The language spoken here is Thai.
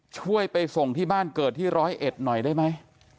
ช่วยไปส่งที่บ้านเกิดที่ร้อยเอ็ดหน่อยได้ไหม